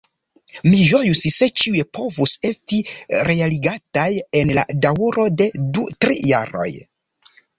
Mi ĝojus, se ĉiuj povus esti realigataj en la daŭro de du-tri jaroj.